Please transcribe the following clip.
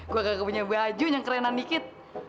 hehehe gua ga punya baju yang kerenan dikit